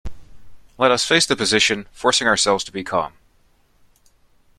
Let us face the position, forcing ourselves to be calm.